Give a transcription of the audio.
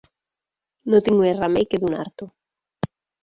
No tinc més remei que donar-t'ho.